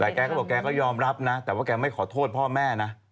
แต่แกก็บอกแกก็ยอมรับนะแต่ว่าแกไม่ขอโทษพ่อแม่นะ